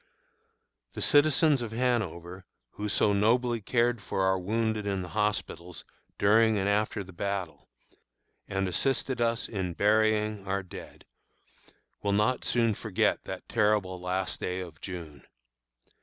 The citizens of Hanover, who so nobly cared for our wounded in the hospitals during and after the battle, and assisted us in burying our dead, will not soon forget that terrible last day of June.